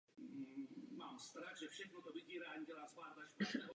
Vyvarovat se musíme vytvoření strategie, která existuje jen na papíře.